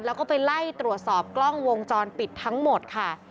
แล้วก็ไปไล่ตรวจสอบกล้องวงจรปิดทั้งหมดค่ะ